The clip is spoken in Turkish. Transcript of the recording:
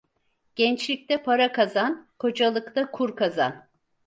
Gençlikte para kazan, kocalıkta kur kazan.